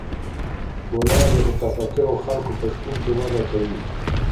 ټولنه د متفکرو خلګو په شتون کي وده کوي.